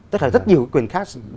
tức là rất nhiều quyền khác